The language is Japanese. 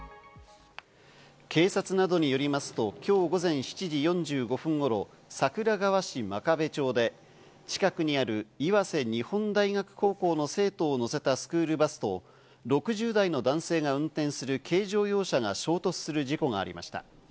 警察などによりますと、今日午前７時４５分頃、桜川市真壁町で近くにある岩瀬日本大学高校の生徒を乗せたスクールバスと６０代の男性が運転する軽乗用車が衝突する事故がありました。